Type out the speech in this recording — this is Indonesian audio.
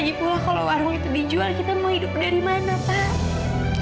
lagi pula kalau warung itu dijual kita mau hidup dari mana pak